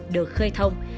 được khơi thông